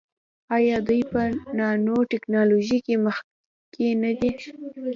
آیا دوی په نانو ټیکنالوژۍ کې مخکې نه دي؟